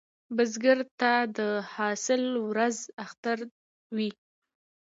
بزګر ته د حاصل ورځ اختر وي